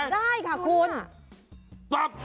ได้ค่ะคุณนะเปลื๊บ